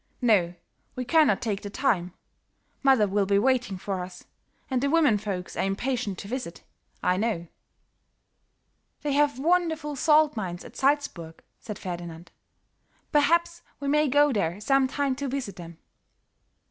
"No, we cannot take the time; mother will be waiting for us and the women folks are impatient to visit, I know." "They have wonderful salt mines at Salzburg," said Ferdinand. "Perhaps we may go there some time to visit them."